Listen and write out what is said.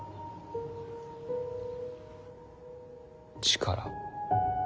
力。